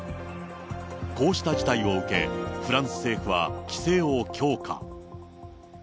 こうした事態を受け、フランス政府は規制を強化。